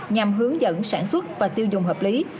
nhằm hướng dẫn sản xuất và tiêu dùng hợp lý